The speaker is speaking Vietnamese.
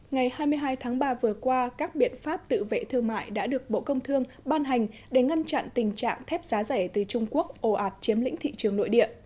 ngày hai mươi hai tháng ba vừa qua các biện pháp tự vệ thương mại đã được bộ công thương ban hành để ngăn chặn tình trạng thép giá rẻ từ trung quốc ồ ạt chiếm lĩnh thị trường nội địa